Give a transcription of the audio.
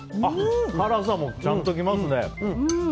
辛さもちゃんと来ますね。